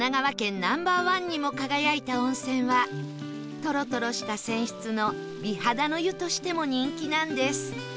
ナンバーワンにも輝いた温泉はトロトロした泉質の美肌の湯としても人気なんです